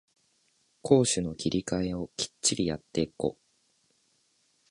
攻守の切り替えをきっちりやってこ